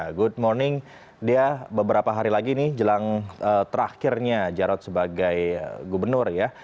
good morning dia beberapa hari lagi nih jelang terakhirnya jarod sebagai gubernur ya